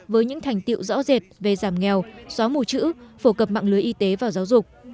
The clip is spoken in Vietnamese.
với những thành tiệu rõ rệt về giảm nghèo xóa mù chữ phổ cập mạng lưới y tế và giáo dục